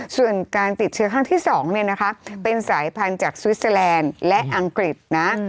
ส่วนการติดเชื้อครั้งที่๒เป็นสายพันธุ์จากสวิสเตอร์แลนด์และอังกฤษนะ